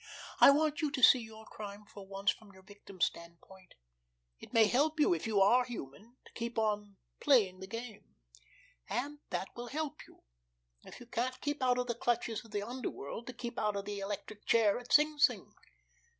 I want you to see your crime for once from your victim's standpoint. It may help you, if you are human, to keep on 'playing the game'; and that will help you, if you can keep out of the clutches of the underworld, to keep out of the electric chair at Sing Sing.